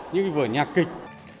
như vở nhạc kịch